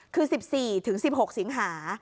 คือ๑๔๑๖สิงหา